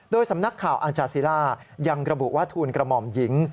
โดยสำนักข่าวอาณาจาซีล่ายังระบุว่าทูลกระหม่อมหญิง